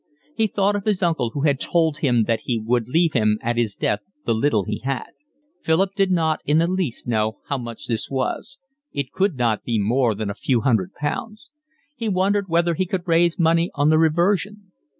He thought of his uncle, who had told him that he would leave him at his death the little he had; Philip did not in the least know how much this was: it could not be more than a few hundred pounds. He wondered whether he could raise money on the reversion.